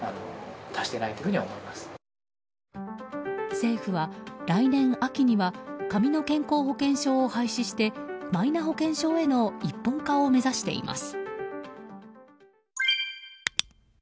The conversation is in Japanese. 政府は来年秋には紙の健康保険証を廃止してマイナ保険証への一本化を目指しています。